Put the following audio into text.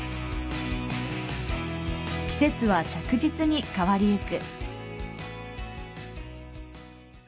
季節は着実に変わりゆく。